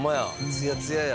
ツヤツヤや。